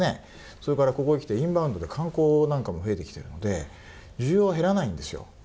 それから、ここへきてインバウンドで観光なんかも増えてきてるので需要は減らないんですよ。